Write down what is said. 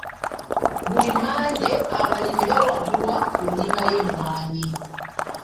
Buli Mmande, abalimi bawabulwa ku nnima y'emmwanyi